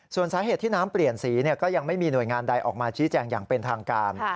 ส่วนสาเหตุที่น้ำเปลี่ยนสีก็ยังไม่มีหน่วยงานใดออกมาชี้แจงอย่างเป็นทางการ